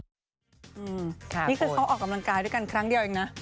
นี่คือเขาออกกำลังกายด้วยกันครั้งเดียวเองนะ